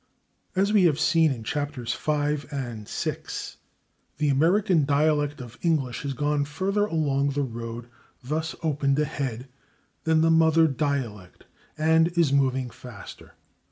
As we have seen in Chapters V and VI, the American dialect of English has gone further along the road thus opened ahead than the mother dialect, and is moving faster.